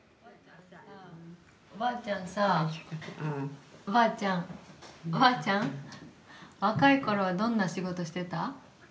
おばあちゃんさおばあちゃん、若いころはどんな仕事をしていた？